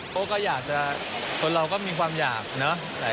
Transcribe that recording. เขาก็อยากจะคนเราก็มีความอยากเนอะ